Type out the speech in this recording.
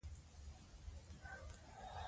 د غازیانو مخه ونیسه.